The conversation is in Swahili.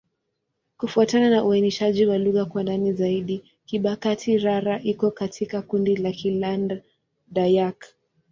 Kufuatana na uainishaji wa lugha kwa ndani zaidi, Kibakati'-Rara iko katika kundi la Kiland-Dayak.